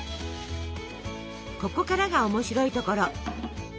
ここからが面白いところ。